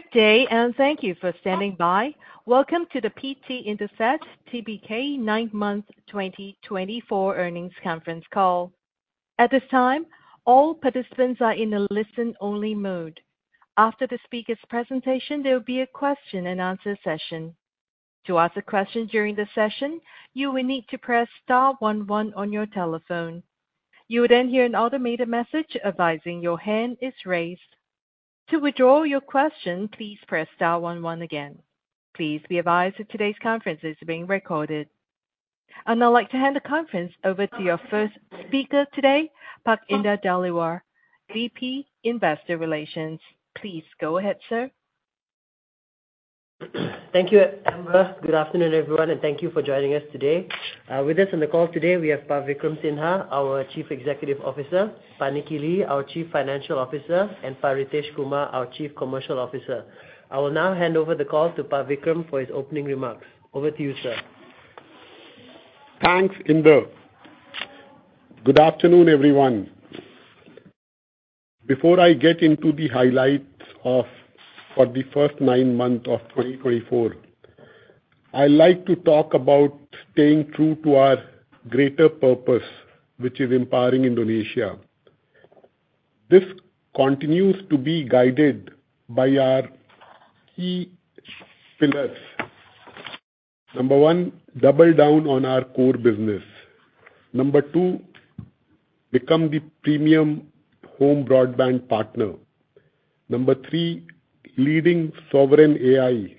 Good day, and thank you for standing by. Welcome to the PT Indosat Tbk 9th month 2024 earnings conference call. At this time, all participants are in a listen-only mode. After the speaker's presentation, there will be a question-and-answer session. To ask a question during the session, you will need to press star one one on your telephone. You will then hear an automated message advising your hand is raised. To withdraw your question, please press star one one again. Please be advised that today's conference is being recorded. And I'd like to hand the conference over to your first speaker today, Pak Indar Dhaliwal, VP Investor Relations. Please go ahead, sir. Thank you, Amber. Good afternoon, everyone, and thank you for joining us today. With us on the call today, we have Pak Vikram Sinha, our Chief Executive Officer, Pak Nicky Lee, our Chief Financial Officer, and Pak Ritesh Kumar, our Chief Commercial Officer. I will now hand over the call to Pak Vikram for his opening remarks. Over to you, sir. Thanks, Indar. Good afternoon, everyone. Before I get into the highlights for the first nine months of 2024, I'd like to talk about staying true to our greater purpose, which is empowering Indonesia. This continues to be guided by our key pillars. Number one, double down on our core business. Number two, become the premium home broadband partner. Number three, leading Sovereign AI,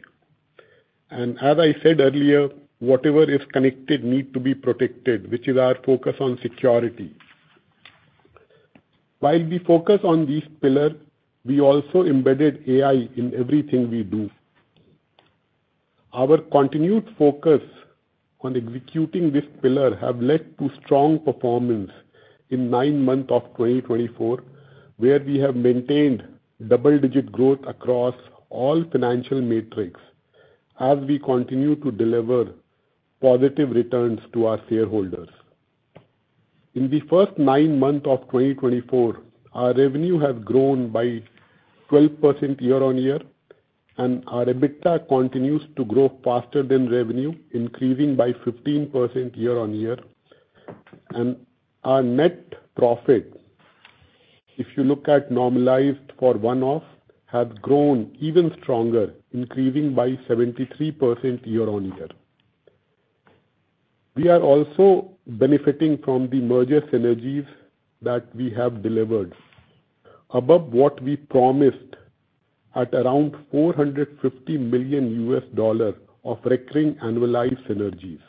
and as I said earlier, whatever is connected needs to be protected, which is our focus on security. While we focus on these pillars, we also embedded AI in everything we do. Our continued focus on executing these pillars has led to strong performance in the nine months of 2024, where we have maintained double-digit growth across all financial metrics as we continue to deliver positive returns to our shareholders. In the first nine months of 2024, our revenue has grown by 12% year-on-year, and our EBITDA continues to grow faster than revenue, increasing by 15% year-on-year, and our net profit, if you look at normalized for one-off, has grown even stronger, increasing by 73% year-on-year. We are also benefiting from the merger synergies that we have delivered, above what we promised at around $450 million of recurring annualized synergies.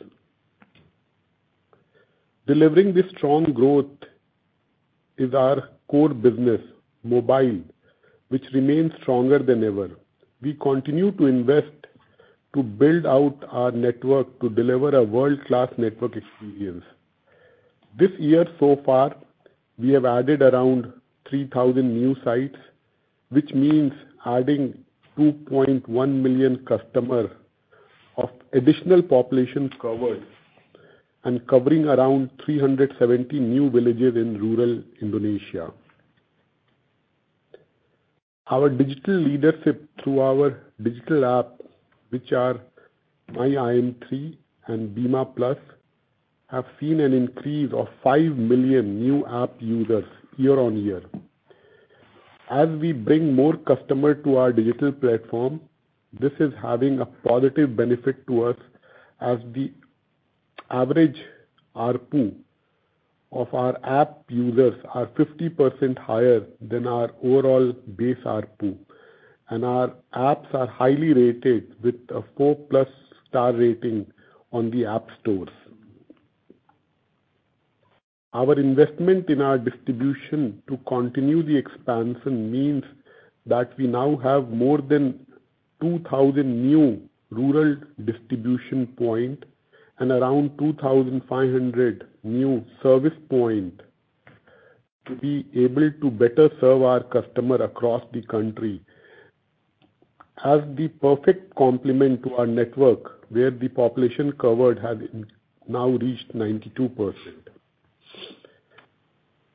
Delivering this strong growth is our core business, mobile, which remains stronger than ever. We continue to invest to build out our network to deliver a world-class network experience. This year, so far, we have added around 3,000 new sites, which means adding 2.1 million customers of additional population covered and covering around 370 new villages in rural Indonesia. Our digital leadership through our digital app, which are MyIM3 and Bima+, have seen an increase of five million new app users year-on-year. As we bring more customers to our digital platform, this is having a positive benefit to us as the average ARPU of our app users is 50% higher than our overall base ARPU, and our apps are highly rated with a 4-plus-star rating on the app stores. Our investment in our distribution to continue the expansion means that we now have more than 2,000 new rural distribution points and around 2,500 new service points to be able to better serve our customers across the country as the perfect complement to our network, where the population covered has now reached 92%.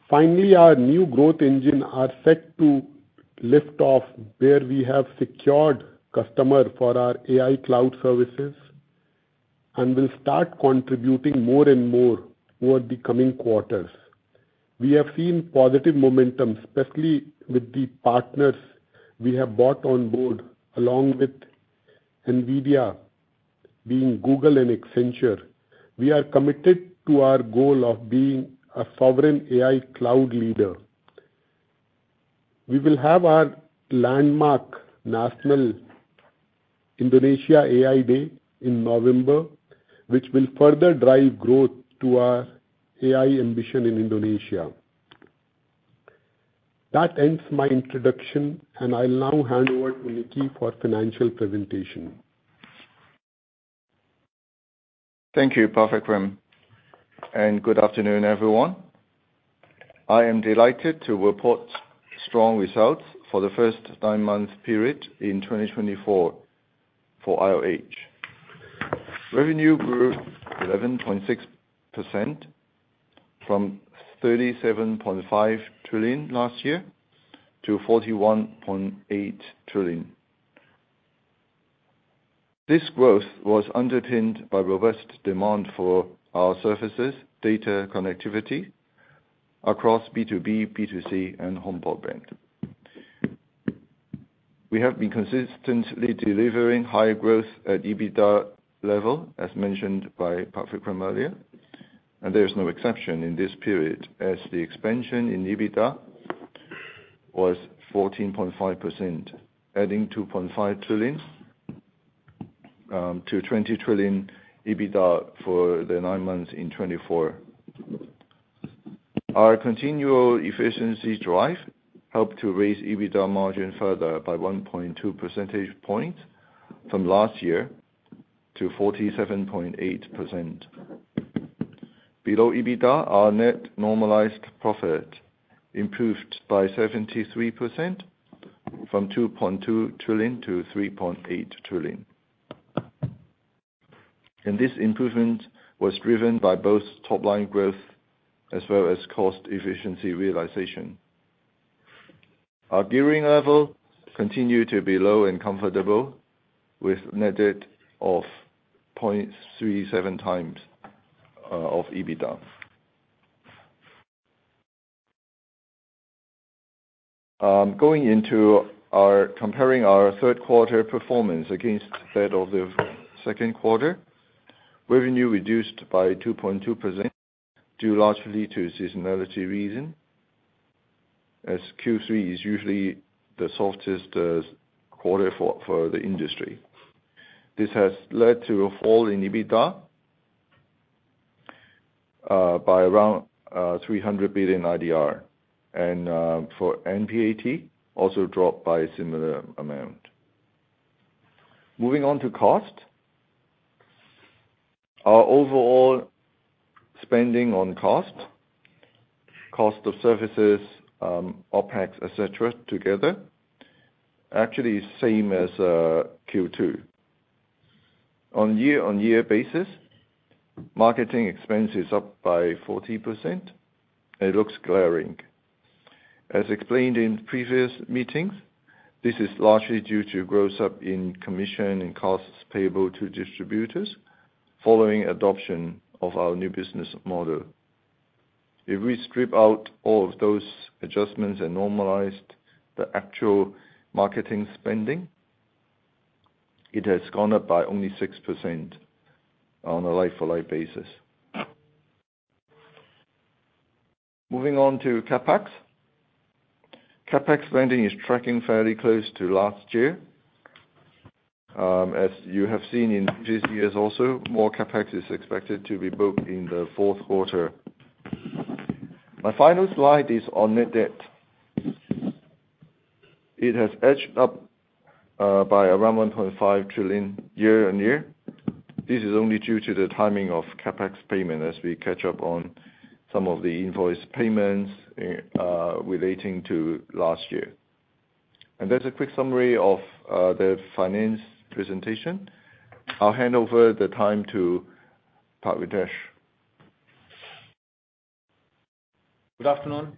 Finally, our new growth engines are set to lift off, where we have secured customers for our AI cloud services and will start contributing more and more over the coming quarters. We have seen positive momentum, especially with the partners we have brought on board, along with NVIDIA, Google, and Accenture. We are committed to our goal of being a sovereign AI cloud leader. We will have our landmark National Indonesia AI Day in November, which will further drive growth to our AI ambition in Indonesia. That ends my introduction, and I'll now hand over to Nicky for financial presentation. Thank you, Pak Vikram, and good afternoon, everyone. I am delighted to report strong results for the first nine-month period in 2024 for IOH. Revenue grew 11.6% from 37.5 trillion last year to 41.8 trillion. This growth was underpinned by robust demand for our services, data connectivity across B2B, B2C, and home broadband. We have been consistently delivering high growth at EBITDA level, as mentioned by Pak Vikram earlier, and there is no exception in this period, as the expansion in EBITDA was 14.5%, adding 2.5 trillion to 20 trillion EBITDA for the nine months in 2024. Our continual efficiency drive helped to raise EBITDA margin further by 1.2 percentage points from last year to 47.8%. Below EBITDA, our net normalized profit improved by 73% from 2.2 trillion to 3.8 trillion. This improvement was driven by both top-line growth as well as cost-efficiency realization. Our gearing level continued to be low and comfortable, with net debt of 0.37 times of EBITDA. Going into, comparing our third quarter performance against that of the second quarter, revenue reduced by 2.2% due largely to seasonality reasons, as Q3 is usually the softest quarter for the industry. This has led to a fall in EBITDA by around 300 billion IDR, and for NPAT, also dropped by a similar amount. Moving on to cost, our overall spending on cost of services, OPEX, etc., together actually is the same as Q2. On a year-on-year basis, marketing expenses are up by 40%, and it looks glaring. As explained in previous meetings, this is largely due to growth in commission and costs payable to distributors following adoption of our new business model. If we strip out all of those adjustments and normalize the actual marketing spending, it has gone up by only 6% on a life-for-life basis. Moving on to CAPEX. CAPEX spending is tracking fairly close to last year. As you have seen in previous years also, more CAPEX is expected to be booked in the fourth quarter. My final slide is on net debt. It has edged up by around 1.5 trillion year-on-year. This is only due to the timing of CAPEX payment as we catch up on some of the invoice payments relating to last year. That's a quick summary of the finance presentation. I'll hand over the time to Pak Ritesh. Good afternoon.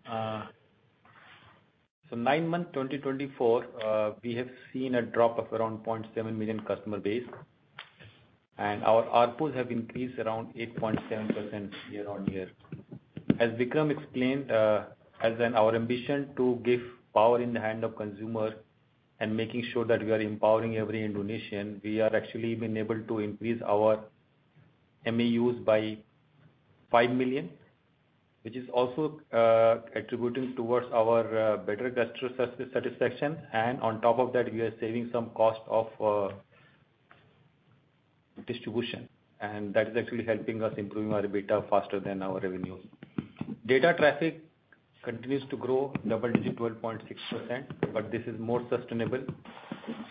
So nine months 2024, we have seen a drop of around 0.7 million customer base, and our ARPUs have increased around 8.7% year-on-year. As Vikram explained, as in our ambition to give power in the hand of consumers and making sure that we are empowering every Indonesian, we have actually been able to increase our MAUs by five million, which is also contributing towards our better customer satisfaction. And on top of that, we are saving some cost of distribution, and that is actually helping us improve our EBITDA faster than our revenues. Data traffic continues to grow, double-digit 12.6%, but this is more sustainable,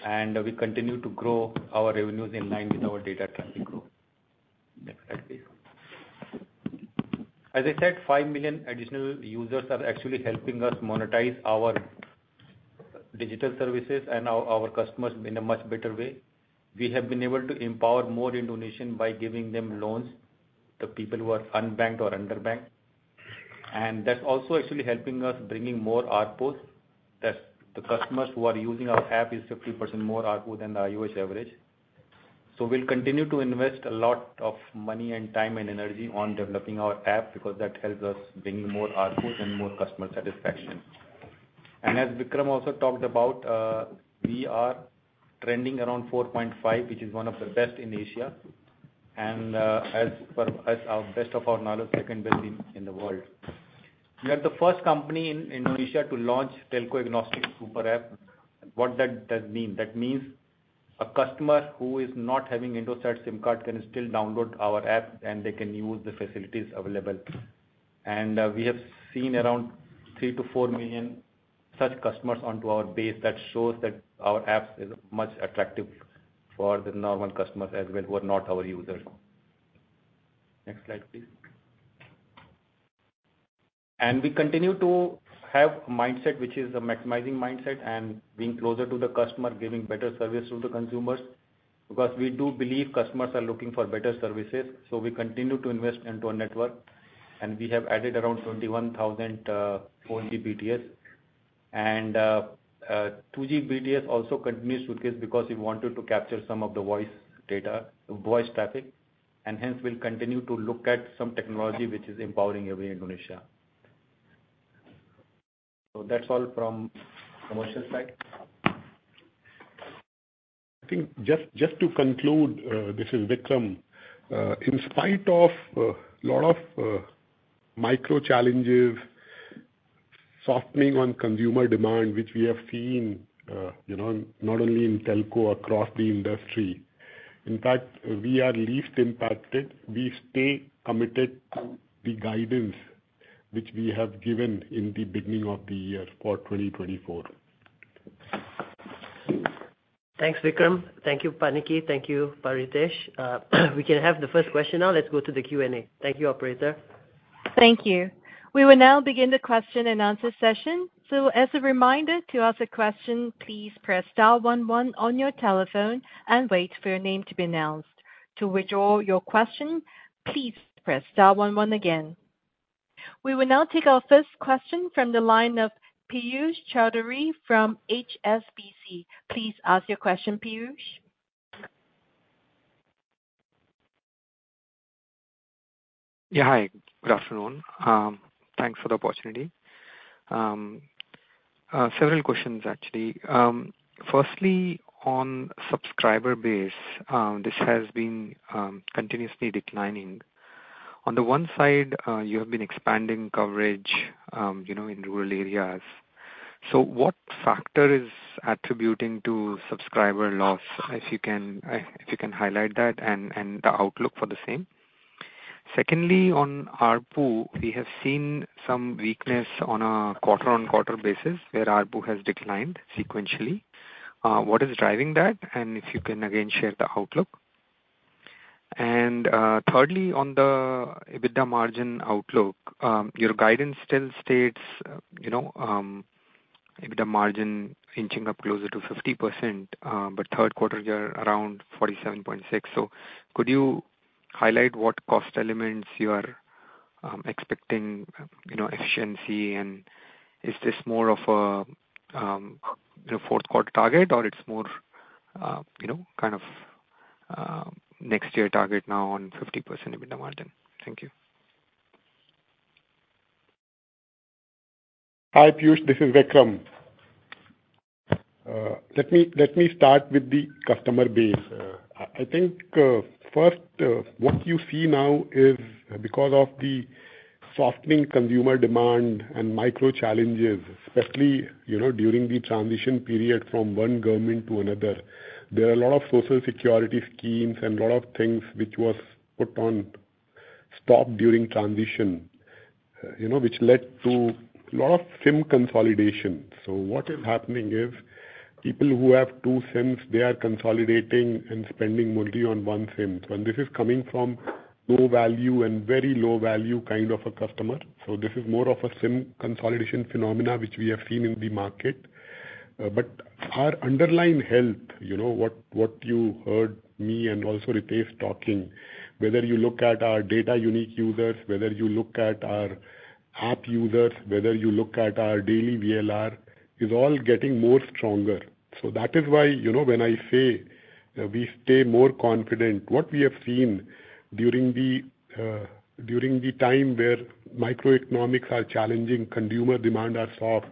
and we continue to grow our revenues in line with our data traffic growth. Next slide, please. As I said, five million additional users are actually helping us monetize our digital services and our customers in a much better way. We have been able to empower more Indonesians by giving them loans to people who are unbanked or underbanked. And that's also actually helping us bring in more ARPUs. The customers who are using our app use 50% more ARPU than the IOH average. So we'll continue to invest a lot of money and time and energy on developing our app because that helps us bring in more ARPUs and more customer satisfaction. And as Vikram also talked about, we are trending around 4.5, which is one of the best in Asia, and to the best of our knowledge, second best in the world. We are the first company in Indonesia to launch a telco-agnostic super app. What does that mean? That means a customer who is not having an Indosat SIM card can still download our app, and they can use the facilities available. And we have seen around three to four million such customers onto our base that shows that our app is much attractive for the normal customers as well who are not our users. Next slide, please. And we continue to have a mindset, which is a maximizing mindset and being closer to the customer, giving better service to the consumers because we do believe customers are looking for better services. So we continue to invest into our network, and we have added around 21,000 4G BTS. And 2G BTS also continues to increase because we wanted to capture some of the voice data, voice traffic, and hence we'll continue to look at some technology which is empowering every Indonesian. So that's all from the commercial side. I think just to conclude, this is Vikram. In spite of a lot of micro challenges, softening on consumer demand, which we have seen not only in telco across the industry, in fact, we are least impacted. We stay committed to the guidance which we have given in the beginning of the year for 2024. Thanks, Vikram. Thank you, Pak Nicky. Thank you, Pak Ritesh. We can have the first question now. Let's go to the Q&A. Thank you, Operator. Thank you. We will now begin the question and answer session. So as a reminder to ask a question, please press star one one on your telephone and wait for your name to be announced. To withdraw your question, please press star one one again. We will now take our first question from the line of Piyush Choudhary from HSBC. Please ask your question, Piyush. Yeah, hi. Good afternoon. Thanks for the opportunity. Several questions, actually. Firstly, on subscriber base, this has been continuously declining. On the one side, you have been expanding coverage in rural areas. So what factor is attributing to subscriber loss? If you can highlight that and the outlook for the same. Secondly, on ARPU, we have seen some weakness on a quarter-on-quarter basis where ARPU has declined sequentially. What is driving that? And if you can again share the outlook. And thirdly, on the EBITDA margin outlook, your guidance still states EBITDA margin inching up closer to 50%, but third quarter you're around 47.6%. So could you highlight what cost elements you are expecting efficiency? And is this more of a fourth-quarter target, or it's more kind of next-year target now on 50% EBITDA margin? Thank you. Hi, Piyush. This is Vikram. Let me start with the customer base. I think first, what you see now is because of the softening consumer demand and macro challenges, especially during the transition period from one government to another. There are a lot of social security schemes and a lot of things which were put on hold during transition, which led to a lot of SIM consolidation. So what is happening is people who have two SIMs, they are consolidating and spending only on one SIM. And this is coming from low value and very low value kind of a customer. So this is more of a SIM consolidation phenomenon which we have seen in the market. But our underlying health, what you heard me and also Ritesh talking, whether you look at our data unique users, whether you look at our app users, whether you look at our daily VLR, is all getting more stronger. So that is why when I say we stay more confident, what we have seen during the time where macroeconomics are challenging, consumer demand are soft,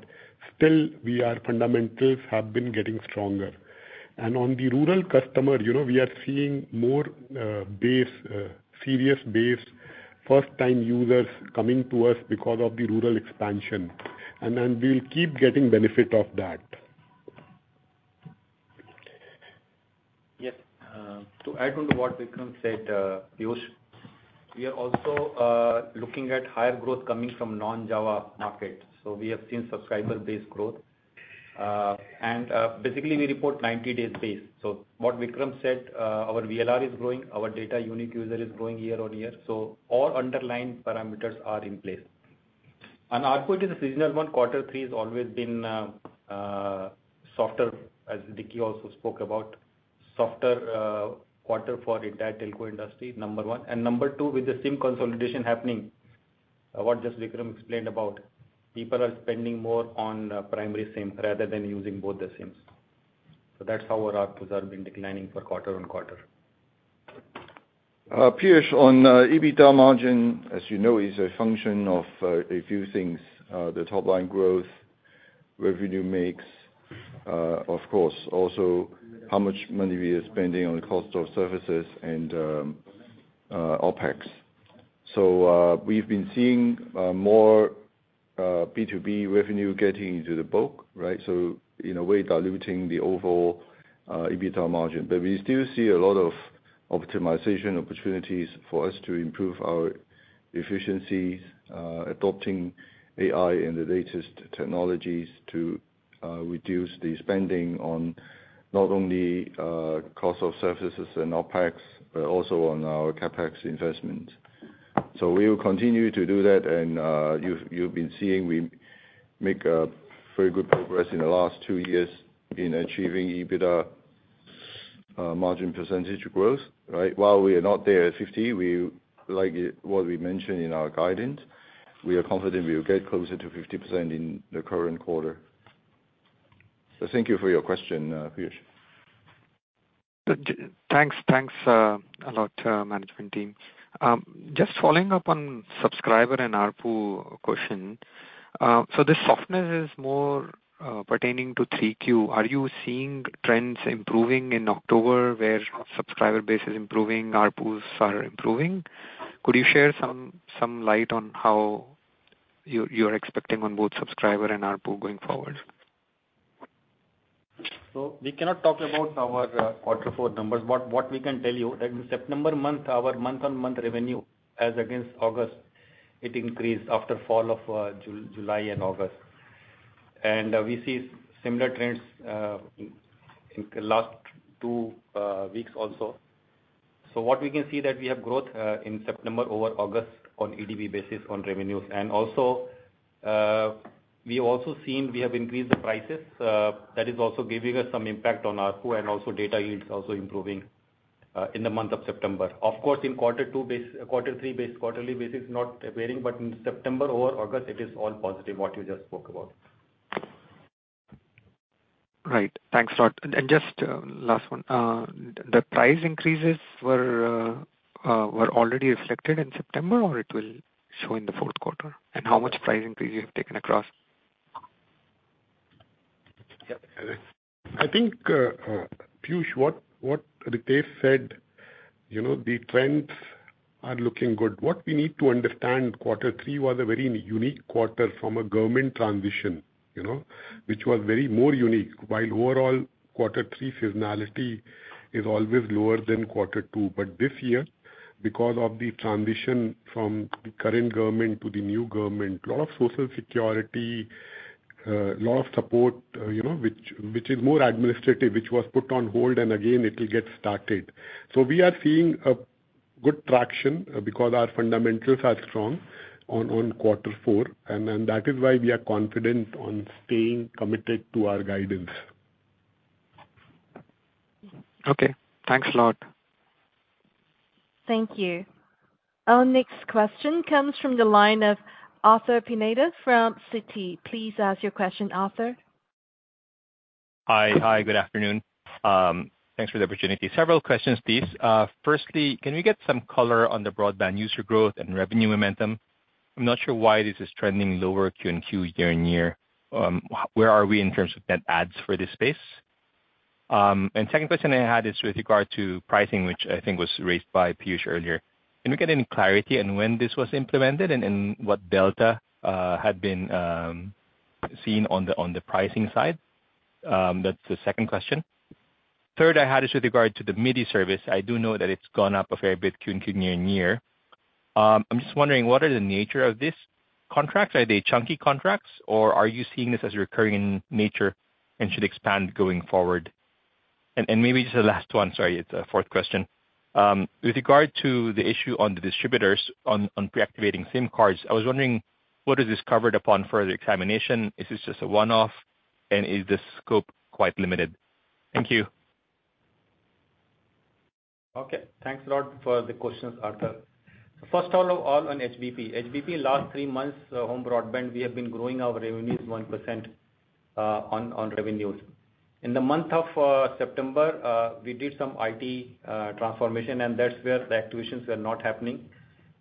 still our fundamentals have been getting stronger. And on the rural customer, we are seeing more serious base first-time users coming to us because of the rural expansion. And we'll keep getting benefit of that. Yes. To add on to what Vikram said, Piyush, we are also looking at higher growth coming from non-Java market. So we have seen subscriber-based growth. And basically, we report 90-day base. So what Vikram said, our VLR is growing, our data unique user is growing year-on-year. So all underlying parameters are in place. On RPU, it is a seasonal one. Quarter three has always been softer, as Nicky also spoke about, softer quarter for the entire telco industry, number one. And number two, with the SIM consolidation happening, what just Vikram explained about, people are spending more on primary SIM rather than using both the SIMs. So that's how our RPUs have been declining for quarter on quarter. Piyush, on EBITDA margin, as you know, is a function of a few things: the top-line growth, revenue mix, of course, also how much money we are spending on the cost of services and OPEX. So we've been seeing more B2B revenue getting into the book, right? So in a way, diluting the overall EBITDA margin. But we still see a lot of optimization opportunities for us to improve our efficiencies, adopting AI and the latest technologies to reduce the spending on not only cost of services and OPEX, but also on our CAPEX investments. So we will continue to do that. And you've been seeing we make very good progress in the last two years in achieving EBITDA margin percentage growth, right? While we are not there at 50%, like what we mentioned in our guidance, we are confident we will get closer to 50% in the current quarter. So thank you for your question, Piyush. Thanks. Thanks a lot, management team. Just following up on subscriber and ARPU question, so the softness is more pertaining to 3Q. Are you seeing trends improving in October where subscriber base is improving, ARPUs are improving? Could you shed some light on how you are expecting on both subscriber and ARPU going forward? We cannot talk about our quarter four numbers, but what we can tell you that in September month, our month-on-month revenue, as against August, it increased after the fall of July and August. We see similar trends in the last two weeks also. What we can see is that we have growth in September over August on EBITDA basis on revenues. We have also seen we have increased the prices. That is also giving us some impact on ARPU, and also data yields are also improving in the month of September. Of course, in quarter three basis, quarterly basis is not appearing, but in September or August, it is all positive, what you just spoke about. Right. Thanks, Todd. And just last one. The price increases were already reflected in September, or it will show in the fourth quarter? And how much price increase you have taken across? I think, Piyush, what Ritesh said, the trends are looking good. What we need to understand, quarter three was a very unique quarter from a government transition, which was very more unique, while overall quarter three seasonality is always lower than quarter two. But this year, because of the transition from the current government to the new government, a lot of social security, a lot of support, which is more administrative, which was put on hold, and again, it will get started. So we are seeing good traction because our fundamentals are strong on quarter four. And that is why we are confident on staying committed to our guidance. Okay. Thanks a lot. Thank you. Our next question comes from the line of Arthur Pineda from Citi. Please ask your question, Arthur. Hi. Hi. Good afternoon. Thanks for the opportunity. Several questions, please. Firstly, can we get some color on the broadband user growth and revenue momentum? I'm not sure why this is trending lower Q&Q year-on-year. Where are we in terms of net adds for this space? And second question I had is with regard to pricing, which I think was raised by Piyush earlier. Can we get any clarity on when this was implemented and what delta had been seen on the pricing side? That's the second question. Third, I had is with regard to the MIDI service. I do know that it's gone up a fair bit Q&Q year-on-year. I'm just wondering, what are the nature of these contracts? Are they chunky contracts, or are you seeing this as recurring in nature and should expand going forward? Maybe just the last one, sorry, it's a fourth question. With regard to the issue on the distributors on pre-activating SIM cards, I was wondering, what is this covered upon further examination? Is this just a one-off, and is the scope quite limited? Thank you. Okay. Thanks a lot for the questions, Arthur. So first of all, on HBP. HBP, last three months, home broadband, we have been growing our revenues 1% on revenues. In the month of September, we did some IT transformation, and that's where the activations were not happening.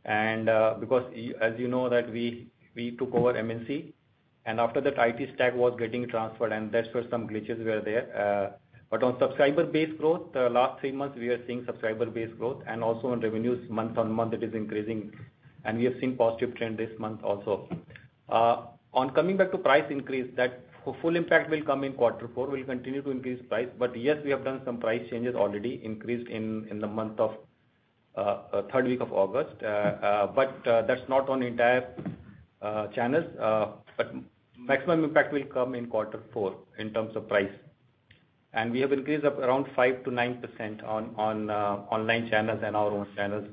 And because, as you know, we took over MNC, and after that, IT stack was getting transferred, and that's where some glitches were there. But on subscriber-based growth, the last three months, we are seeing subscriber-based growth, and also on revenues, month on month, it is increasing. And we have seen positive trend this month also. On coming back to price increase, that full impact will come in quarter four. We'll continue to increase price. But yes, we have done some price changes already, increased in the third week of August. But that's not on entire channels. But maximum impact will come in quarter four in terms of price. And we have increased around 5%-9% on online channels and our own channels.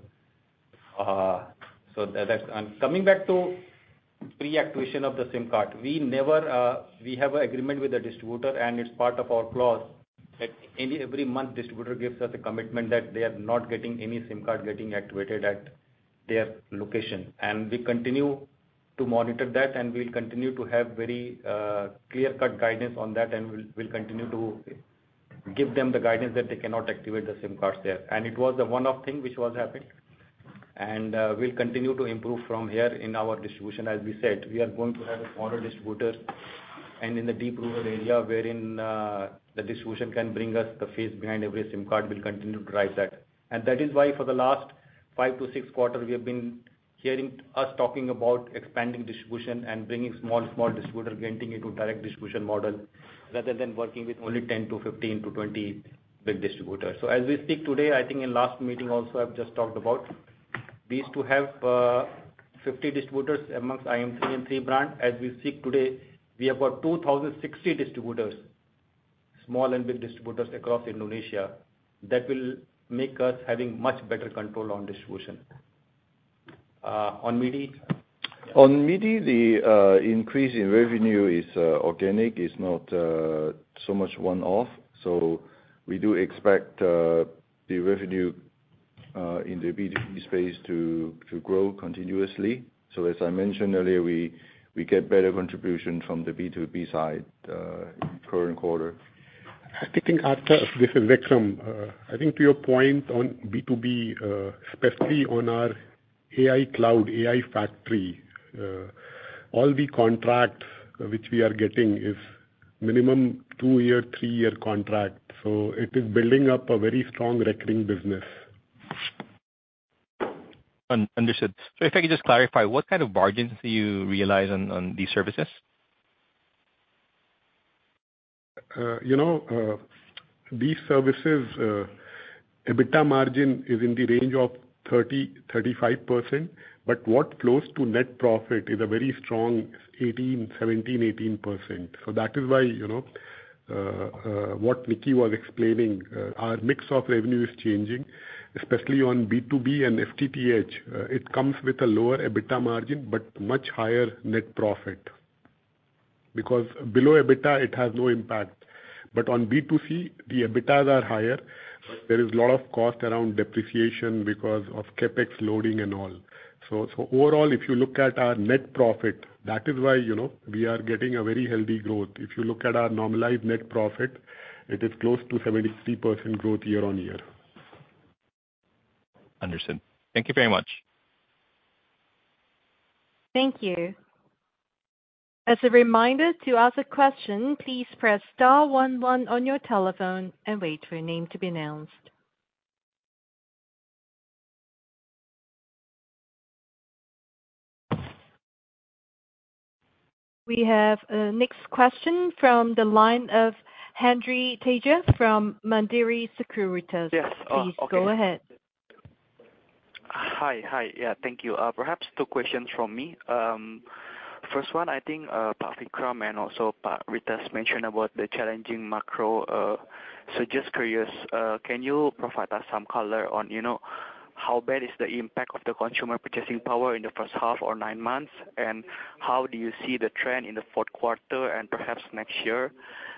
So that's coming back to pre-activation of the SIM card. We have an agreement with the distributor, and it's part of our clause that every month, the distributor gives us a commitment that they are not getting any SIM card getting activated at their location. And we continue to monitor that, and we'll continue to have very clear-cut guidance on that, and we'll continue to give them the guidance that they cannot activate the SIM cards there. And it was a one-off thing which was happened. And we'll continue to improve from here in our distribution. As we said, we are going to have a smaller distributor. In the deep rural area, wherein the distribution can bring us the phase behind every SIM card, we'll continue to drive that. That is why for the last five to six quarters, we have been hearing us talking about expanding distribution and bringing small, small distributors, getting into direct distribution model rather than working with only 10 to 15 to 20 big distributors. As we speak today, I think in last meeting also, I've just talked about these to have 50 distributors amongst IM3 and Tri brand. As we speak today, we have about 2,060 distributors, small and big distributors across Indonesia that will make us have much better control on distribution. On MIDI? On MIDI, the increase in revenue is organic. It's not so much one-off. So we do expect the revenue in the B2B space to grow continuously. So as I mentioned earlier, we get better contribution from the B2B side in the current quarter. I think, Arthur, this is Vikram. I think to your point on B2B, especially on our AI cloud, AI factory, all the contract which we are getting is minimum two-year, three-year contract. So it is building up a very strong recurring business. Understood, so if I could just clarify, what kind of margins do you realize on these services? These services, EBITDA margin is in the range of 30%-35%. But what flows to net profit is a very strong 17%-18%. So that is why what Nicky was explaining, our mix of revenue is changing, especially on B2B and FTTH. It comes with a lower EBITDA margin, but much higher net profit. Because below EBITDA, it has no impact. But on B2C, the EBITDAs are higher. There is a lot of cost around depreciation because of CAPEX loading and all. So overall, if you look at our net profit, that is why we are getting a very healthy growth. If you look at our normalized net profit, it is close to 73% growth year on year. Understood. Thank you very much. Thank you. As a reminder to ask a question, please press star one one on your telephone and wait for your name to be announced. We have a next question from the line of Henry Teja from Mandiri Sekuritas. Please go ahead. Hi. Hi. Yeah. Thank you. Perhaps two questions from me. First one, I think Vikram and also Ritesh mentioned about the challenging macro. So just curious, can you provide us some color on how bad is the impact of the consumer purchasing power in the first half or nine months? And how do you see the trend in the fourth quarter and perhaps next year?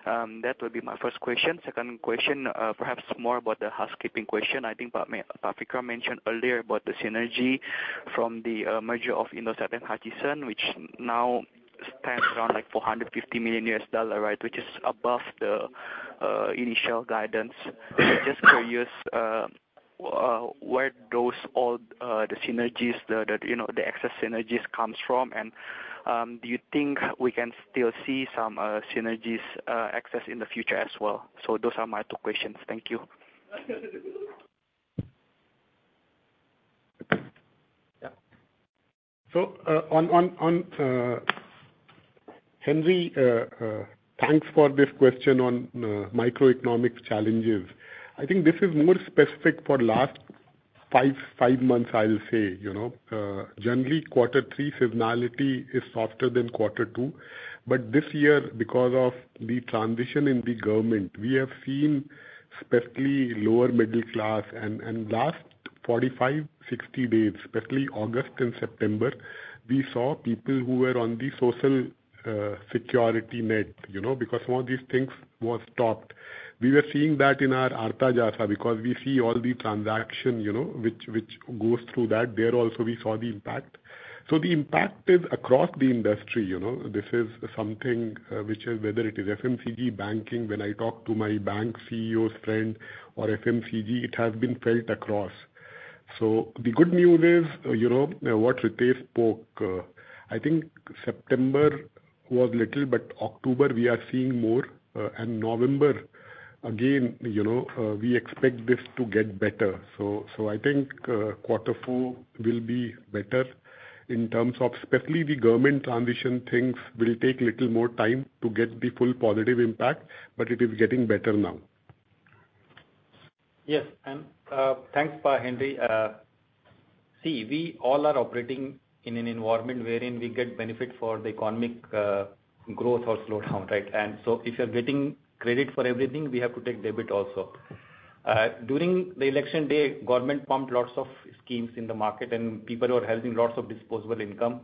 That would be my first question. Second question, perhaps more about the housekeeping question. I think Vikram mentioned earlier about the synergy from the merger of Indosat and Hutchison, which now stands around like $450 million, right, which is above the initial guidance. Just curious, where do all the synergies, the excess synergies come from? And do you think we can still see some synergies excess in the future as well? So those are my two questions. Thank you. Yeah. So on Henry, thanks for this question on macroeconomic challenges. I think this is more specific for last five months, I'll say. Generally, quarter three seasonality is softer than quarter two. But this year, because of the transition in the government, we have seen especially lower middle class. And last 45, 60 days, especially August and September, we saw people who were on the social security net because some of these things were stopped. We were seeing that in our Artajasa because we see all the transaction which goes through that. There also, we saw the impact. So the impact is across the industry. This is something which is whether it is FMCG banking. When I talk to my bank CEO's friend or FMCG, it has been felt across. So the good news is what Ritesh spoke. I think September was little, but October we are seeing more. In November, again, we expect this to get better, so I think quarter four will be better in terms of especially the government transition. Things will take a little more time to get the full positive impact, but it is getting better now. Yes. Thanks for Henry. See, we all are operating in an environment wherein we get benefit for the economic growth or slowdown, right? So if you're getting credit for everything, we have to take debit also. During the election day, government pumped lots of schemes in the market, and people were having lots of disposable income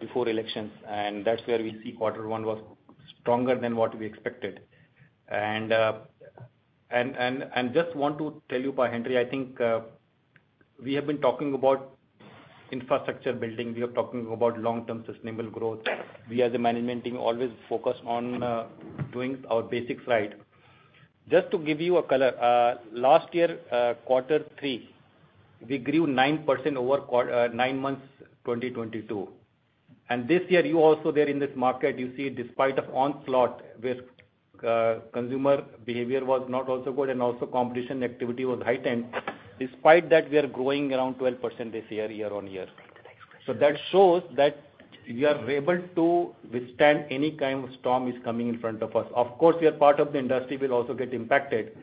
before elections. That's where we see quarter one was stronger than what we expected. Just want to tell you about Henry. I think we have been talking about infrastructure building. We are talking about long-term sustainable growth. We as a management team always focus on doing our basics right. Just to give you a color, last year, quarter three, we grew 9% over nine months 2022. And this year, you also there in this market, you see, despite of onslaught, where consumer behavior was not also good and also competition activity was heightened, despite that, we are growing around 12% this year, year on year. So that shows that we are able to withstand any kind of storm is coming in front of us. Of course, we are part of the industry will also get impacted.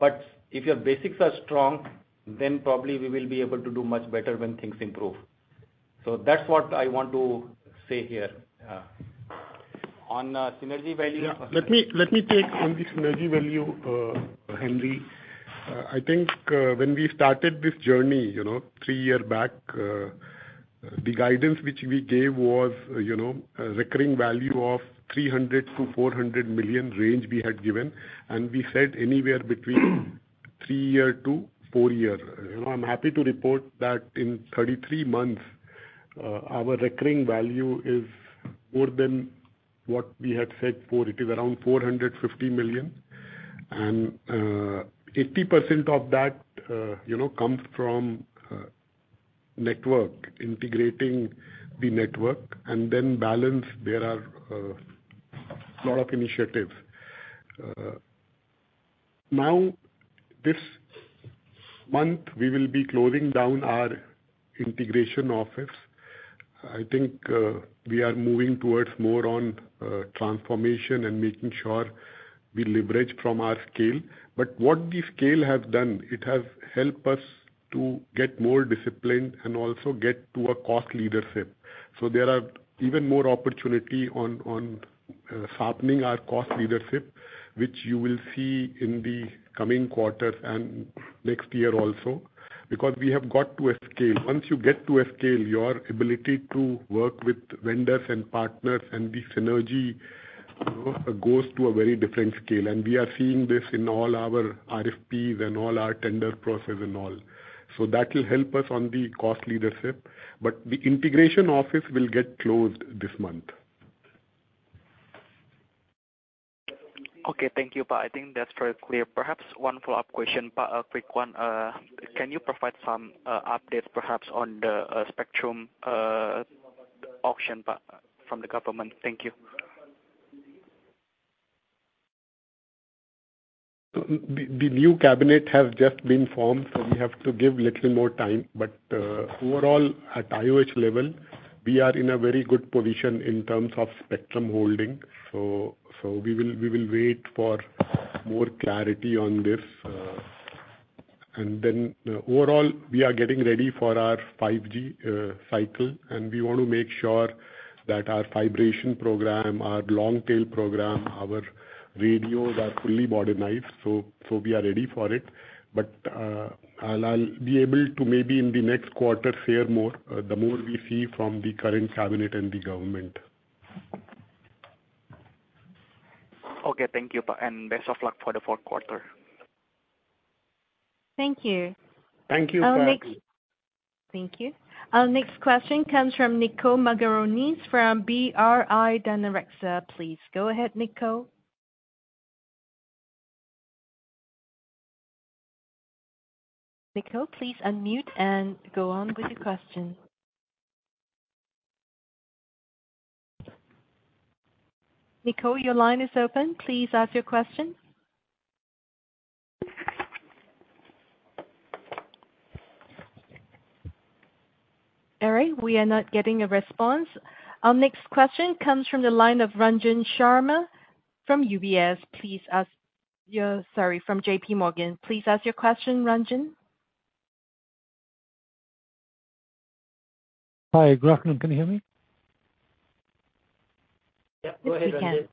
But if your basics are strong, then probably we will be able to do much better when things improve. So that's what I want to say here. On synergy value. Let me take on the synergy value, Henry. I think when we started this journey three years back, the guidance which we gave was recurring value of 300- 400 million range we had given, and we said anywhere between three years to four years. I'm happy to report that in 33 months, our recurring value is more than what we had said before. It is around 450 million, and 80% of that comes from network, integrating the network, and then balance there are a lot of initiatives. Now, this month, we will be closing down our integration office. I think we are moving towards more on transformation and making sure we leverage from our scale, but what the scale has done, it has helped us to get more discipline and also get to a cost leadership. So there are even more opportunities on sharpening our cost leadership, which you will see in the coming quarters and next year also because we have got to scale. Once you get to scale, your ability to work with vendors and partners and the synergy goes to a very different scale. And we are seeing this in all our RFPs and all our tender processes and all. So that will help us on the cost leadership. But the integration office will get closed this month. Okay. Thank you, Pak. I think that's very clear. Perhaps one follow-up question, Pak, a quick one. Can you provide some updates perhaps on the spectrum auction, Pak, from the government? Thank you. The new cabinet has just been formed, so we have to give a little more time. But overall, at IOH level, we are in a very good position in terms of spectrum holding. So we will wait for more clarity on this. And then overall, we are getting ready for our 5G cycle. And we want to make sure that our migration program, our long-tail program, our radios are fully modernized. So we are ready for it. But I'll be able to maybe in the next quarter share more the more we see from the current cabinet and the government. Okay. Thank you, Pak, and best of luck for the fourth quarter. Thank you. Thank you. Thank you. Our next question comes from Niko Margaronis from BRI Danareksa Sekuritas. Please go ahead, Nico. Nico, please unmute and go on with your question. Nico, your line is open. Please ask your question. All right. We are not getting a response. Our next question comes from the line of Ranjan Sharma from UBS. Please ask your sorry, from JPMorgan. Please ask your question, Ranjan. Hi. Good afternoon. Can you hear me? Yep. Go ahead. Yes, we can.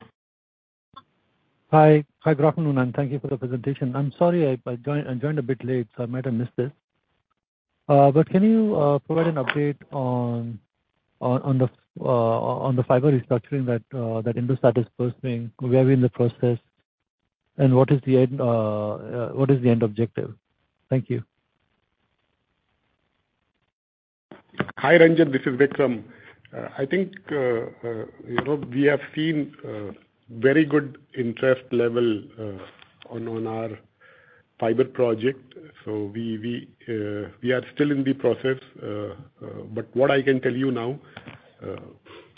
Hi. Hi, good afternoon, and thank you for the presentation. I'm sorry, I joined a bit late, so I might have missed it. But can you provide an update on the fiber restructuring that Indosat is pursuing? Where are we in the process? And what is the end objective? Thank you. Hi, Ranjan. This is Vikram. I think we have seen very good interest level on our fiber project. So we are still in the process. But what I can tell you now,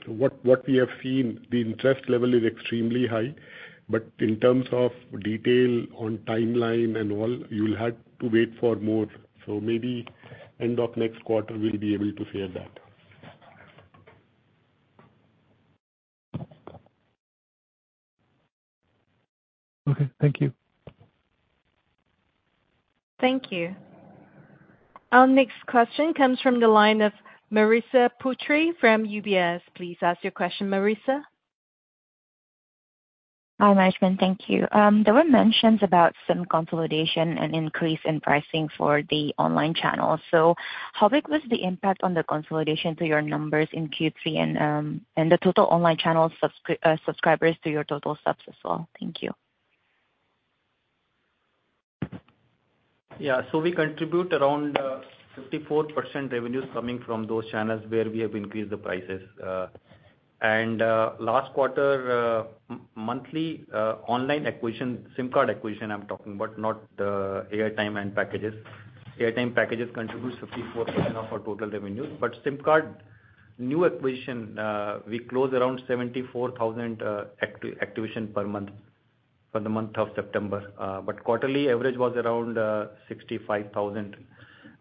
what we have seen, the interest level is extremely high. But in terms of detail on timeline and all, you'll have to wait for more. So maybe end of next quarter, we'll be able to share that. Okay. Thank you. Thank you. Our next question comes from the line of Marissa Putri from UBS. Please ask your question, Marissa. Hi, Management. Thank you. There were mentions about some consolidation and increase in pricing for the online channels. So how big was the impact on the consolidation to your numbers in Q3 and the total online channel subscribers to your total subs as well? Thank you. Yeah. So we contribute around 54% revenues coming from those channels where we have increased the prices. And last quarter, monthly online acquisition, SIM card acquisition I'm talking about, not airtime and packages. Airtime packages contribute 54% of our total revenues. But SIM card new acquisition, we close around 74,000 activations per month for the month of September. But quarterly average was around 65,000.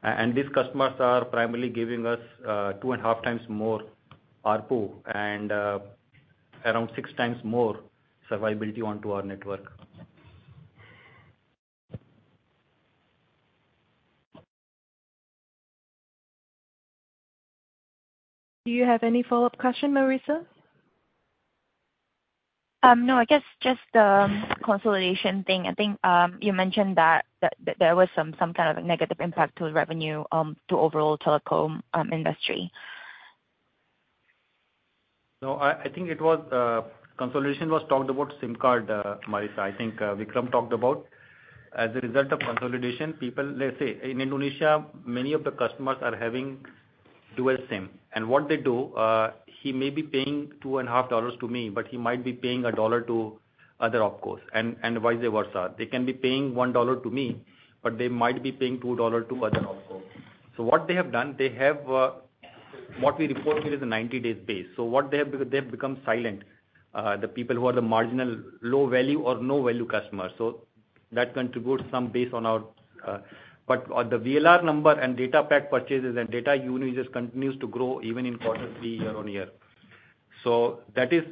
And these customers are primarily giving us two and a half times more ARPU and around six times more survivability onto our network. Do you have any follow-up question, Marissa? No, I guess just the consolidation thing. I think you mentioned that there was some kind of negative impact to revenue to overall telecom industry. No, I think it was consolidation was talked about SIM card, Marissa. I think Vikram talked about. As a result of consolidation, people, let's say, in Indonesia, many of the customers are having dual SIM, and what they do, he may be paying $2.5 to me, but he might be paying $1 to other opcos, and vice versa. They can be paying $1 to me, but they might be paying $2 to other opcos, so what they have done, they have what we report here is a 90-day space, so what they have become silent, the people who are the marginal low-value or no-value customers, so that contributes some base on our but the VLR number and data pack purchases and data users continues to grow even in quarter three year on year. That is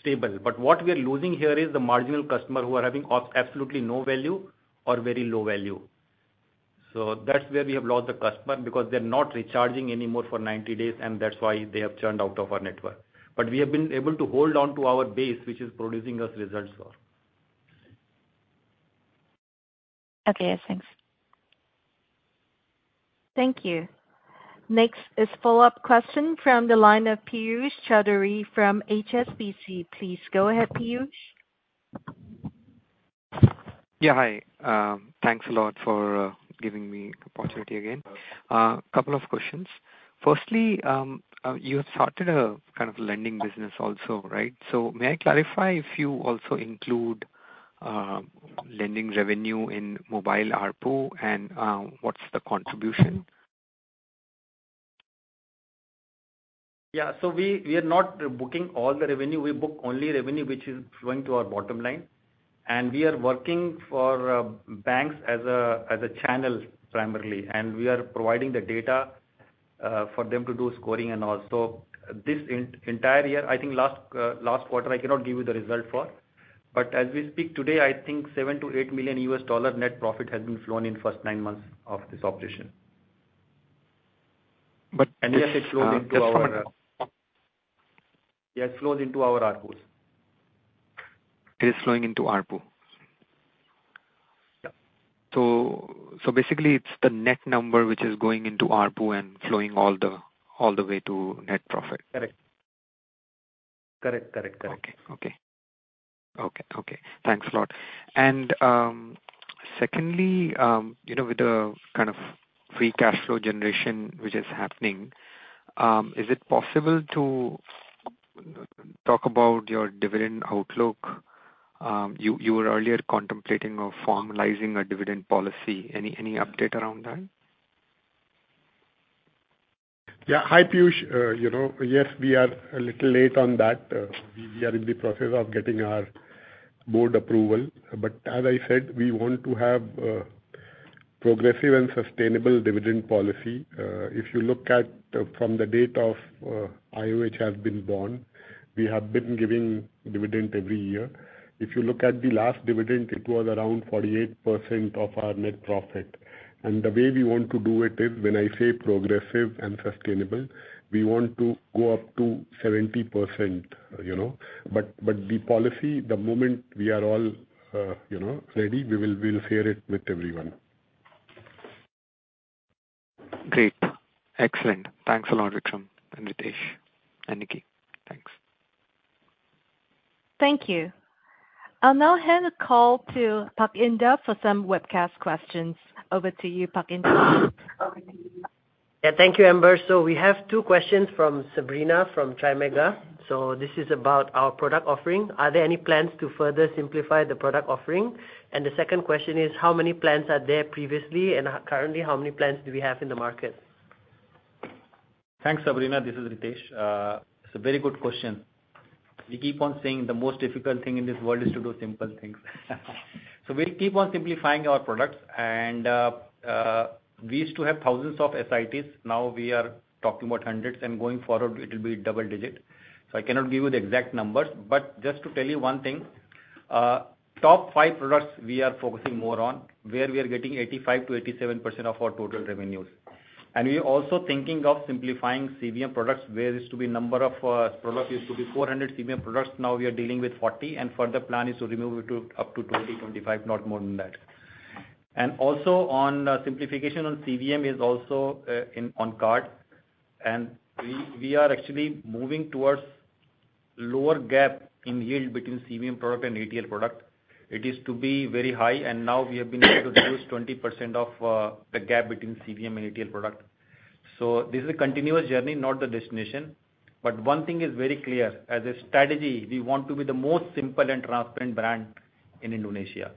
stable. But what we are losing here is the marginal customer who are having absolutely no value or very low value. So that's where we have lost the customer because they're not recharging anymore for 90 days, and that's why they have turned out of our network. But we have been able to hold on to our base, which is producing us results for. Okay. Yes, thanks. Thank you. Next is follow-up question from the line of Piyush Choudhary from HSBC. Please go ahead, Piyush. Yeah. Hi. Thanks a lot for giving me the opportunity again. A couple of questions. Firstly, you have started a kind of lending business also, right? So may I clarify if you also include lending revenue in mobile ARPU and what's the contribution? Yeah. So we are not booking all the revenue. We book only revenue which is going to our bottom line. And we are working for banks as a channel primarily. And we are providing the data for them to do scoring and all. So this entire year, I think last quarter, I cannot give you the result for. But as we speak today, I think $7 million-$8 million net profit has been flown in first nine months of this operation. And yes, it flows into our ARPUs. It is flowing into ARPU. So basically, it's the net number which is going into ARPU and flowing all the way to net profit. Correct. Okay. Thanks a lot. And secondly, with the kind of free cash flow generation which is happening, is it possible to talk about your dividend outlook? You were earlier contemplating of formalizing a dividend policy. Any update around that? Yeah. Hi, Piyush. Yes, we are a little late on that. We are in the process of getting our board approval. But as I said, we want to have progressive and sustainable dividend policy. If you look at from the date of IOH has been born, we have been giving dividend every year. If you look at the last dividend, it was around 48% of our net profit. And the way we want to do it is when I say progressive and sustainable, we want to go up to 70%. But the policy, the moment we are all ready, we will share it with everyone. Great. Excellent. Thanks a lot, Vikram and Ritesh and Nicky. Thanks. Thank you. I'll now hand the call to Pak Indar for some webcast questions. Over to you, Pak Indar. Yeah. Thank you, Amber. So we have two questions from Sabrina from CIMB Sekuritas. So this is about our product offering. Are there any plans to further simplify the product offering? And the second question is, how many plans are there previously? And currently, how many plans do we have in the market? Thanks, Sabrina. This is Ritesh. It's a very good question. We keep on saying the most difficult thing in this world is to do simple things. So we'll keep on simplifying our products. And we used to have thousands of SKUs. Now we are talking about hundreds. And going forward, it will be double-digit. So I cannot give you the exact numbers. But just to tell you one thing, top five products we are focusing more on, where we are getting 85%-87% of our total revenues. And we are also thinking of simplifying CVM products, where it used to be number of products used to be 400 CVM products. Now we are dealing with 40. And further plan is to remove it to up to 20, 25, not more than that. And also on simplification on CVM is also on card. We are actually moving towards lower gap in yield between CVM product and retail product. It used to be very high. Now we have been able to reduce 20% of the gap between CVM and retail product. This is a continuous journey, not the destination. One thing is very clear. As a strategy, we want to be the most simple and transparent brand in Indonesia.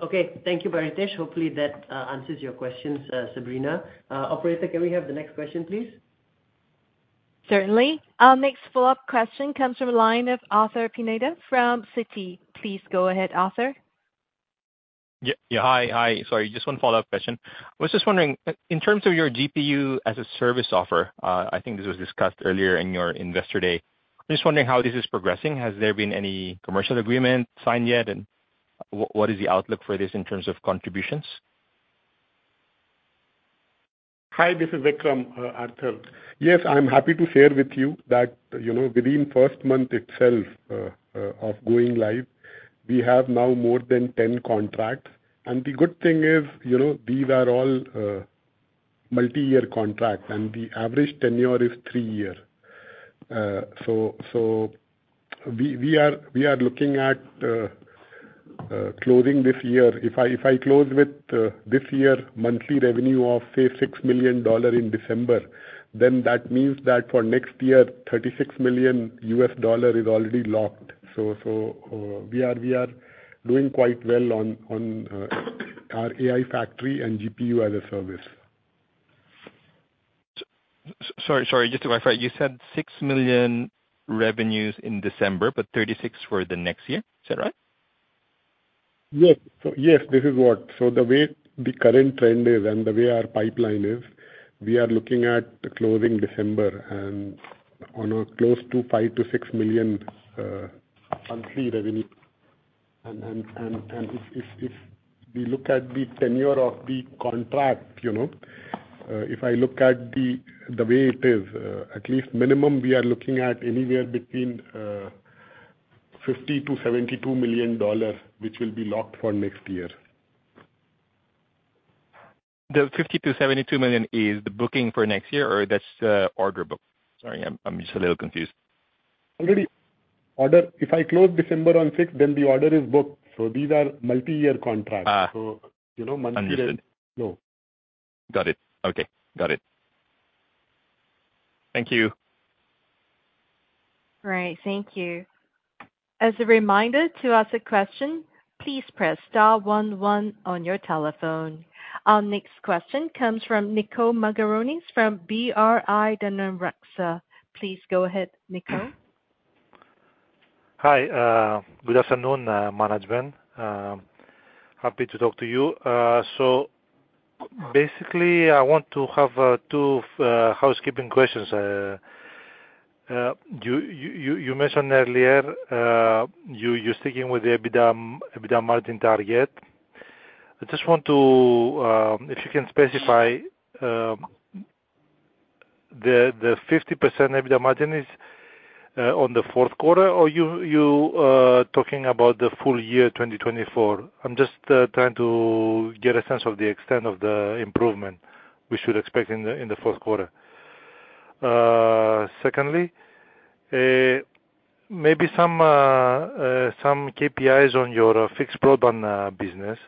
Okay. Thank you, Ritesh. Hopefully, that answers your questions, Sabrina. Operator, can we have the next question, please? Certainly. Our next follow-up question comes from the line of Arthur Pineda from Citi. Please go ahead, Arthur. Hi. Sorry. Just one follow-up question. I was just wondering, in terms of your GPU as a service offer, I think this was discussed earlier in your Investor Day. I'm just wondering how this is progressing. Has there been any commercial agreement signed yet? And what is the outlook for this in terms of contributions? Hi. This is Vikram, Arthur. Yes, I'm happy to share with you that within first month itself of going live, we have now more than 10 contracts. And the good thing is these are all multi-year contracts. And the average tenure is three years. So we are looking at closing this year. If I close with this year monthly revenue of, say, $6 million in December, then that means that for next year, $36 million is already locked. So we are doing quite well on our AI factory and GPU as a service. Sorry. Sorry. Just to clarify, you said six million revenues in December, but 36 for the next year. Is that right? Yes. So yes, this is what. So the way the current trend is and the way our pipeline is, we are looking at closing December and on a close to $5-6 million monthly revenue. And if we look at the tenure of the contract, if I look at the way it is, at least minimum, we are looking at anywhere between $50-72 million, which will be locked for next year. The 50-72 million is the booking for next year, or that's the order book? Sorry, I'm just a little confused. Already, if I close December on 6th, then the order is booked. So these are multi-year contracts. So monthly revenue is low. Understood. Got it. Okay. Got it. Thank you. All right. Thank you. As a reminder to ask a question, please press star one one on your telephone. Our next question comes from Niko Margaronis from BRI Danareksa Sekuritas. Please go ahead, Nico. Hi. Good afternoon, Management. Happy to talk to you. So basically, I want to have two housekeeping questions. You mentioned earlier you're sticking with the EBITDA margin target. I just want to, if you can specify, the 50% EBITDA margin is on the fourth quarter, or you're talking about the full year 2024? I'm just trying to get a sense of the extent of the improvement we should expect in the fourth quarter. Secondly, maybe some KPIs on your fixed broadband business.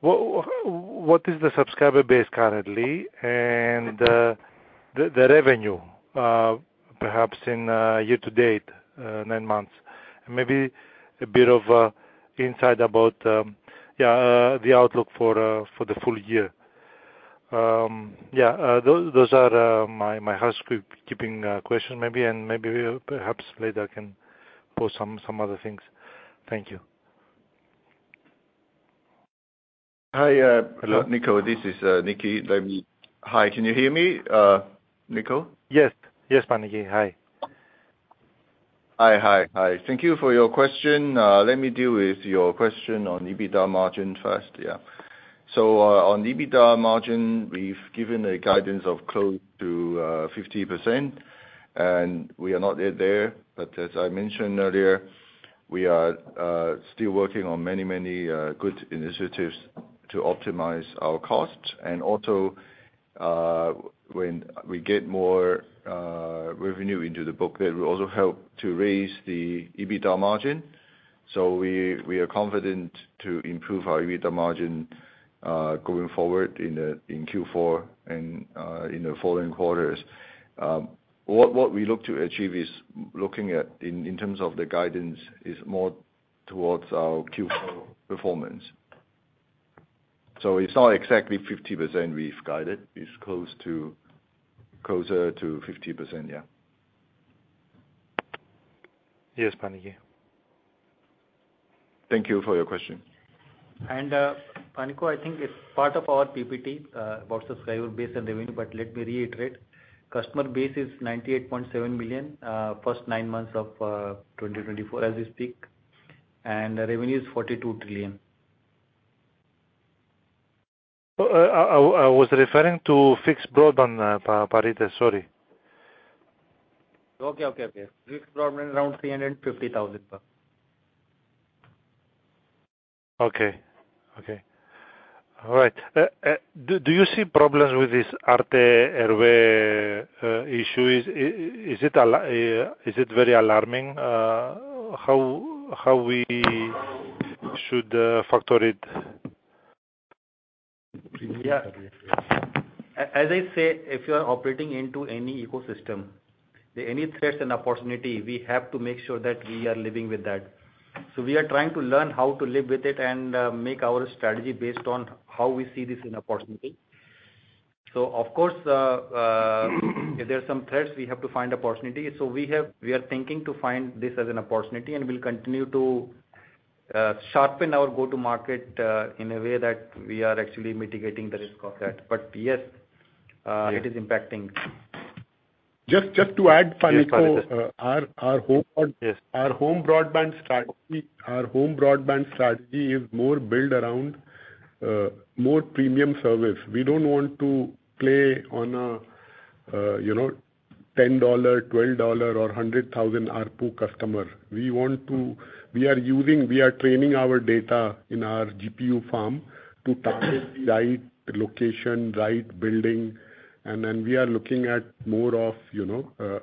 What is the subscriber base currently and the revenue, perhaps in year to date, nine months? And maybe a bit of insight about, yeah, the outlook for the full year. Yeah. Those are my housekeeping questions maybe. And maybe perhaps later I can pose some other things. Thank you. Hi. Hello. Hello, Niko. This is Nicky. Hi. Can you hear me, Niko? Yes. Yes, Pak Nicky. Hi. Hi. Hi. Hi. Thank you for your question. Let me deal with your question on EBITDA margin first. Yeah. So on EBITDA margin, we've given a guidance of close to 50%. And we are not yet there. But as I mentioned earlier, we are still working on many, many good initiatives to optimize our costs. And also, when we get more revenue into the book, that will also help to raise the EBITDA margin. So we are confident to improve our EBITDA margin going forward in Q4 and in the following quarters. What we look to achieve is looking at, in terms of the guidance, is more towards our Q4 performance. So it's not exactly 50% we've guided. It's closer to 50%. Yeah. Yes, Pak Nicky. Thank you for your question. Pak Nico, I think it's part of our PPT about subscriber base and revenue. But let me reiterate. Customer base is 98.7 million first nine months of 2024 as we speak. And revenue is 42 trillion. I was referring to fixed broadband, Arthur. Sorry. Fixed broadband, around 350,000. Okay. Okay. All right. Do you see problems with this RT/RW issue? Is it very alarming? How we should factor it? Yeah. As I say, if you are operating into any ecosystem, there are any threats and opportunities. We have to make sure that we are living with that. So we are trying to learn how to live with it and make our strategy based on how we see this as an opportunity. So of course, if there are some threats, we have to find opportunity. So we are thinking to find this as an opportunity. And we'll continue to sharpen our go-to-market in a way that we are actually mitigating the risk of that. But yes, it is impacting. Just to add, Panicko, our home broadband strategy is more built around more premium service. We don't want to play on a $10, $12, or $100,000 ARPU customer. We are training our data in our GPU farm to target the right location, right building. And then we are looking at more of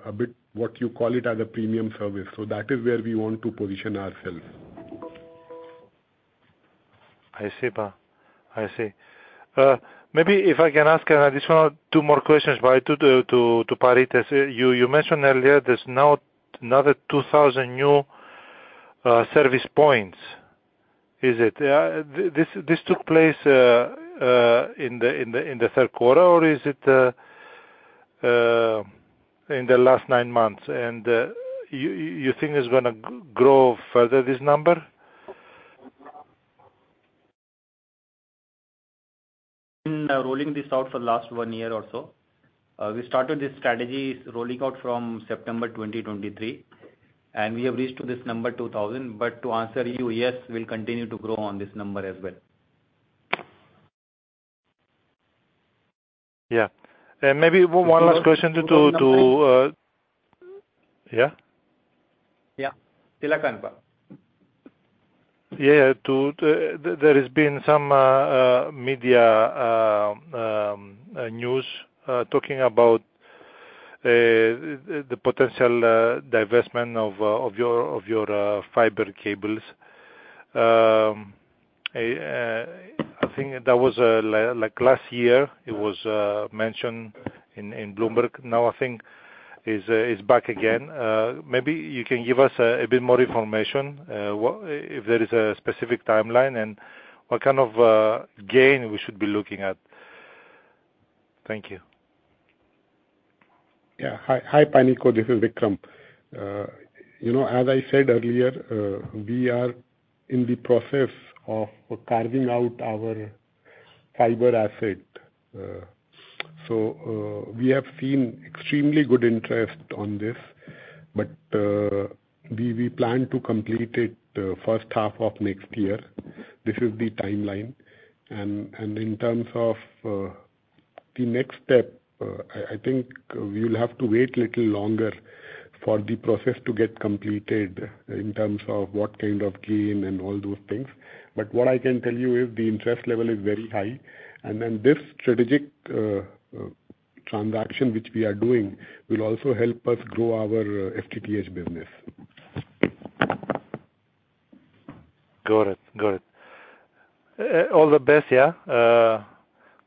a bit what you call it as a premium service. So that is where we want to position ourselves. I see. I see. Maybe if I can ask an additional two more questions, Parither. You mentioned earlier there's now another 2,000 new service points. Is it? This took place in the third quarter, or is it in the last nine months? And you think it's going to grow further, this number? In rolling this out for the last one year or so, we started this strategy rolling out from September 2023, and we have reached to this number 2,000, but to answer you, yes, we'll continue to grow on this number as well. Yeah, and maybe one last question to. Yeah. Yeah? Yeah. Silakan Pak. Yeah. There has been some media news talking about the potential divestment of your fiber cables. I think that was last year. It was mentioned in Bloomberg. Now I think it's back again. Maybe you can give us a bit more information if there is a specific timeline and what kind of gain we should be looking at. Thank you. Yeah. Hi, Nico. This is Vikram. As I said earlier, we are in the process of carving out our fiber asset. So we have seen extremely good interest on this. But we plan to complete it first half of next year. This is the timeline. And in terms of the next step, I think we will have to wait a little longer for the process to get completed in terms of what kind of gain and all those things. But what I can tell you is the interest level is very high. And then this strategic transaction, which we are doing, will also help us grow our FTTH business. Got it. Got it. All the best, yeah,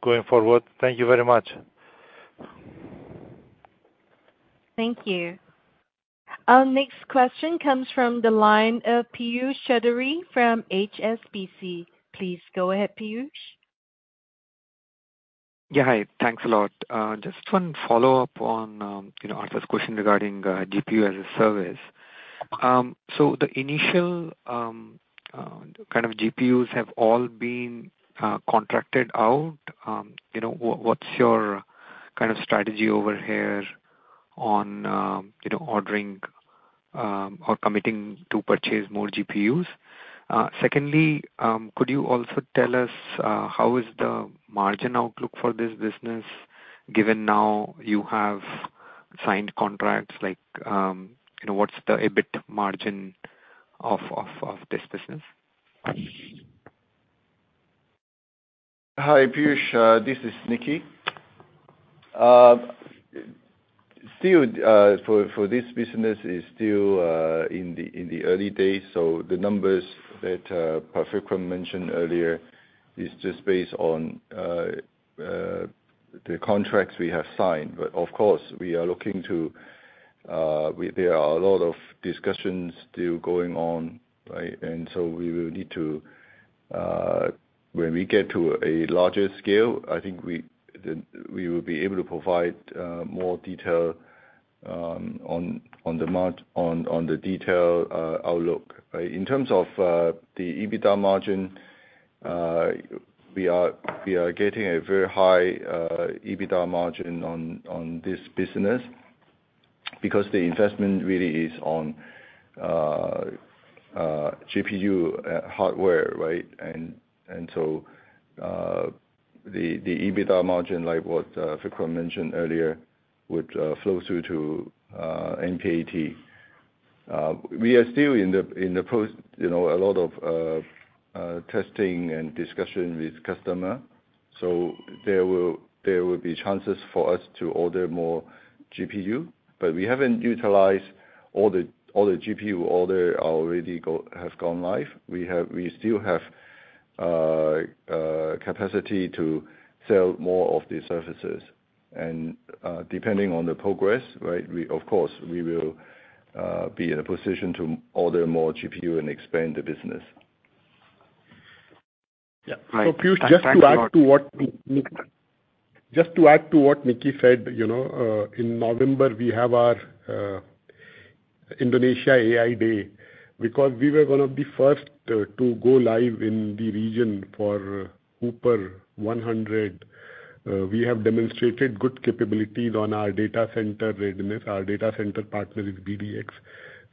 going forward. Thank you very much. Thank you. Our next question comes from the line of Piyush Choudhary from HSBC. Please go ahead, Piyush. Yeah. Hi. Thanks a lot. Just one follow-up on Arthur's question regarding GPU as a service. So the initial kind of GPUs have all been contracted out. What's your kind of strategy over here on ordering or committing to purchase more GPUs? Secondly, could you also tell us how is the margin outlook for this business given now you have signed contracts? What's the EBIT margin of this business? Hi, Piyush. This is Nicky. Still, for this business, it's still in the early days. So the numbers that Pak Ritesh mentioned earlier is just based on the contracts we have signed. But of course, we are looking to there are a lot of discussions still going on, right? And so we will need to, when we get to a larger scale, I think we will be able to provide more detail on the detail outlook. In terms of the EBITDA margin, we are getting a very high EBITDA margin on this business because the investment really is on GPU hardware, right? And so the EBITDA margin, like what Vikram mentioned earlier, would flow through to NPAT. We are still in the post, a lot of testing and discussion with customers. So there will be chances for us to order more GPU. But we haven't utilized all the GPU orders that have gone live. We still have capacity to sell more of these services. And depending on the progress, right, of course, we will be in a position to order more GPU and expand the business. Yeah. So Piyush, just to add to what Nicky said, in November, we have our Indonesia AI Day. Because we were one of the first to go live in the region for H100. We have demonstrated good capabilities on our data center readiness. Our data center partner is BDx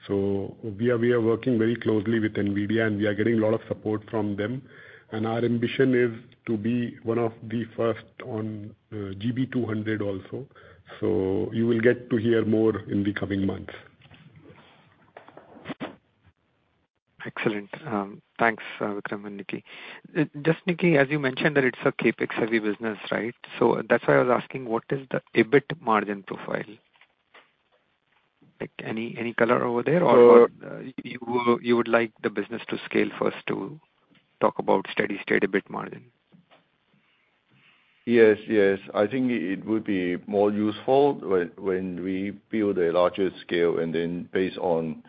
So we are working very closely with NVIDIA, and we are getting a lot of support from them. And our ambition is to be one of the first on GB200 also. So you will get to hear more in the coming months. Excellent. Thanks, Vikram and Nicky. Just Nicky, as you mentioned that it's a CAPEX-heavy business, right? So that's why I was asking, what is the EBIT margin profile? Any color over there? Or you would like the business to scale first to talk about steady-state EBIT margin? Yes. Yes. I think it would be more useful when we build a larger scale, and then, based on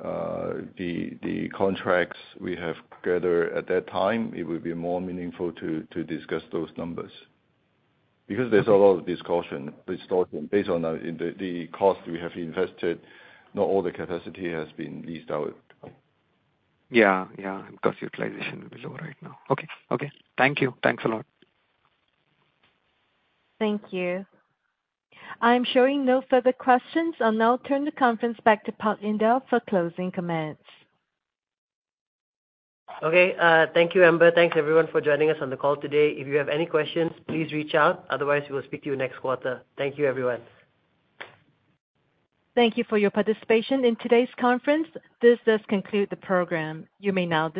the contracts we have gathered at that time, it would be more meaningful to discuss those numbers. Because there's a lot of distortion based on the cost we have invested, not all the capacity has been leased out. Yeah. Yeah. Got utilization below right now. Okay. Okay. Thank you. Thanks a lot. Thank you. I'm showing no further questions. I'll now turn the conference back to Parithan for closing comments. Okay. Thank you, Amber. Thanks, everyone, for joining us on the call today. If you have any questions, please reach out. Otherwise, we will speak to you next quarter. Thank you, everyone. Thank you for your participation in today's conference. This does conclude the program. You may now.